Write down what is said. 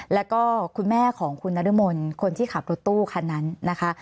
แล้วก็คุณแม่ของคุณนรมนคนที่ขับรถตู้คันนั้นนะคะ